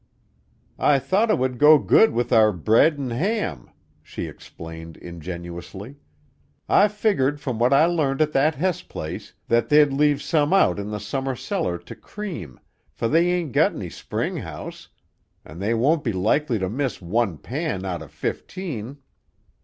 "I thought it would go good with our bread an' ham," she explained ingenuously. "I figgered from what I learned at that Hess place that they'd leave some out in the summer cellar to cream, for they ain't got any spring house, an' they won't be likely to miss one pan out of fifteen.